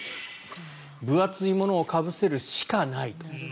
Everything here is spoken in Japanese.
分厚いものをかぶせるしかないと。